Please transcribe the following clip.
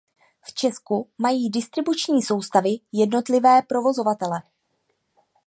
V Česku mají distribuční soustavy jednotlivé provozovatele.